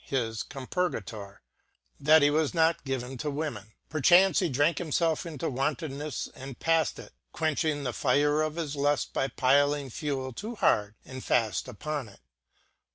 Maxime i his Compurgatour, that he was not given to women • per chance he drank himfelf into wantonneffe & paft it, quench ing the fire of his lull: by piling fuell too hard and faft upon it.